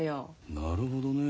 なるほどね。